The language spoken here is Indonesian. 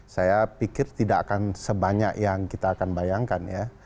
saya pikir tidak akan sebanyak yang kita akan bayangkan ya